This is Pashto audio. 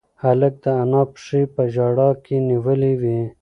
هلک د انا پښې په ژړا کې نیولې وې.